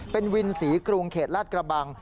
เป็นวินศรีกรุงเขตลาดกระบัง